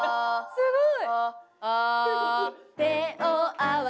すごい！